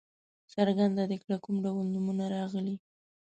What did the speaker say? څرګنده دې کړي کوم ډول نومونه راغلي.